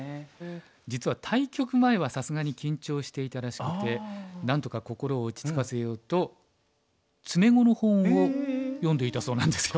実は対局前はさすがに緊張していたらしくてなんとか心を落ち着かせようと詰碁の本を読んでいたそうなんですよ。